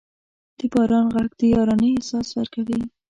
د باران ږغ د یارانې احساس ورکوي.